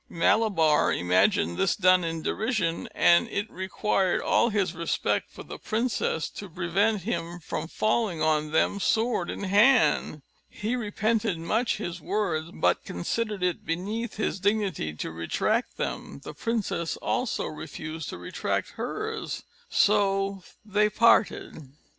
Malabar imagined this done in derision, and it required all his respect for the princess to prevent him from falling on them sword in hand. He repented much his words, but considered it beneath his dignity to retract them; the princess also refused to retract hers: so they parted.